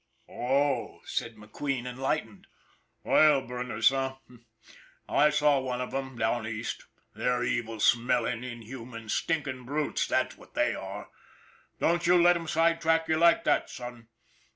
"Oh!" said McQueen, enlightened. "Oil burn ers, eh ? I saw one of 'em down East. They're evil smelling, inhuman, stinking brutes, that's what they are! Don't you let 'em side track you like that, son.